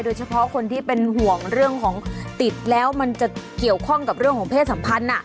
โดยเฉพาะคนที่เป็นห่วงเรื่องของติดแล้วมันจะเกี่ยวข้องกับเรื่องของเพศสัมพันธ์